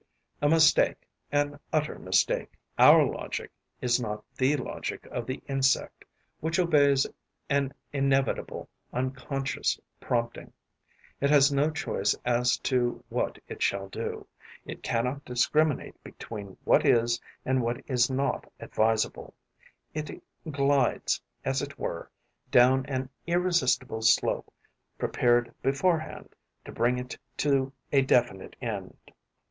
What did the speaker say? A mistake, an utter mistake: our logic is not the logic of the insect, which obeys an inevitable, unconscious prompting. It has no choice as to what it shall do; it cannot discriminate between what is and what is not advisable; it glides, as it were, down an irresistible slope prepared beforehand to bring it to a definite end.